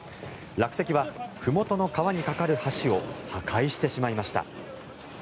落石はふもとの川に架かる橋を破壊してしまいました。